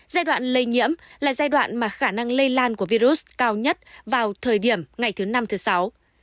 giai đoạn lây nhiễm là giai đoạn mà khả năng lây lan của virus cao nhất vào thời điểm ngày thứ năm thứ sáu